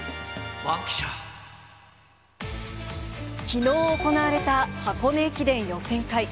きのう行われた箱根駅伝予選会。